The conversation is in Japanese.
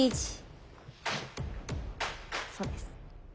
１そうです。